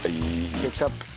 ケチャップ。